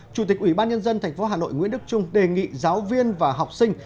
chủ tịch ubnd tp hà nội nguyễn đức trung đề nghị giáo viên và học sinh